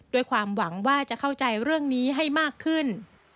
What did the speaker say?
ด้วยความหวังว่าจะเข้าใจเรื่องนี้ให้มากขึ้น